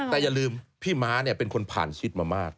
แต่อย่าลืมพี่มะเป็นคนผ่านชิดมามาก